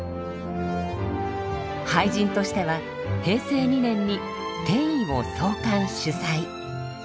俳人としては平成２年に「天為」を創刊・主宰。